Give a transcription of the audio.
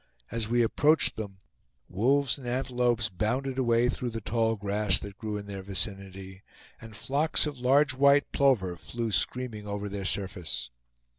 As we approached them, wolves and antelopes bounded away through the tall grass that grew in their vicinity, and flocks of large white plover flew screaming over their surface.